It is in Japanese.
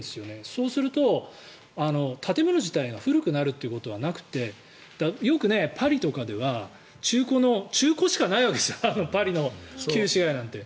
そうすると建物自体が古くなるということはなくてよくパリとかでは中古しかないわけですよパリの旧市街なんて。